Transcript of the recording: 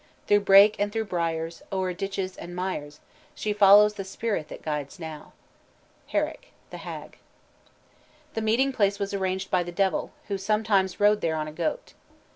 Through brake and through briers, O'er ditches and mires, She follows the spirit that guides now." HERRICK: The Hag. The meeting place was arranged by the Devil, who sometimes rode there on a goat.